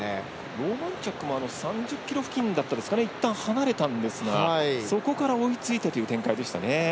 ローマンチャックも３０ｋｍ付近いったん離れたんですがそこから追いついてという展開ですね。